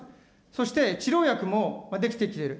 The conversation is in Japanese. そして、治療薬も出来てきている。